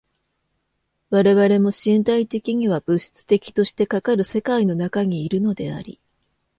我々も身体的には物質的としてかかる世界の中にいるのであり、